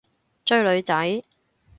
追女仔？